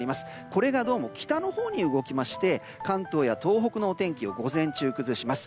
これが北のほうに動きまして関東や東北のお天気を午前中崩します。